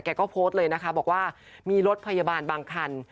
ก็โพสต์เลยนะคะบอกว่ามีรถพยาบาลบางคัน